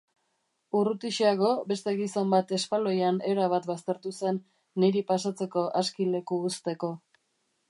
Urrutixeago beste gizon bat espaloian erabat baztertu zen niri pasatzeko aski leku uzteko.